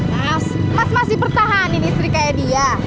mas mas masih pertahanin istri kayak dia